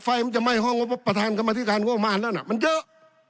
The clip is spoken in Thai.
ไฟมันจะไม่ห้องงบพระธานกรรมน์ที่การบวกมาอย่างนั้นมันเยอะ